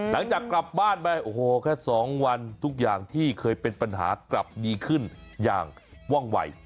หลังจากกลับบ้านไปโอ้โหแค่๒วันทุกอย่างที่เคยเป็นปัญหากลับดีขึ้นอย่างว่องไหว